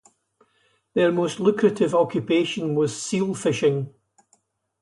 Their most lucrative occupation was seal-fishing.